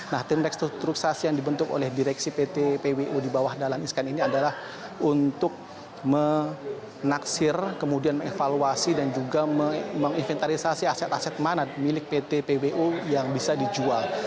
nah tim restruksasi yang dibentuk oleh direksi pt pwu di bawah dahlan iskan ini adalah untuk menaksir kemudian mengevaluasi dan juga menginventarisasi aset aset mana milik pt pwu yang bisa dijual